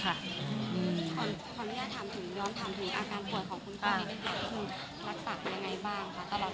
ขออนุญาตถามถึงยอมถามถึงอาการป่วยของคุณพ่อที่ได้รักษาเป็นยังไงบ้างค่ะ